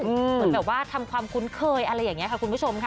เหมือนแบบว่าทำความคุ้นเคยอะไรอย่างนี้ค่ะคุณผู้ชมค่ะ